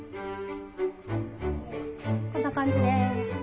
こんな感じです。